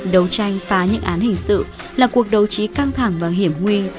đấu tranh phá những án hình sự là cuộc đấu trí căng thẳng và hiểm nguy